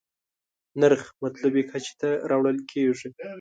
نرخ مطلوبې کچې ته راوړل کېږي.